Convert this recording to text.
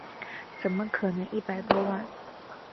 怎么可能一百多万